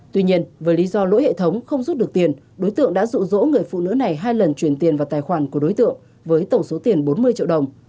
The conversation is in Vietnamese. tuy nhiên với lý do lỗi hệ thống không rút được tiền đối tượng đã rụ rỗ người phụ nữ này hai lần chuyển tiền vào tài khoản của đối tượng với tổng số tiền bốn mươi triệu đồng